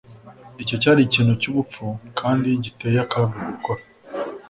Icyo cyari ikintu cyubupfu kandi giteye akaga gukora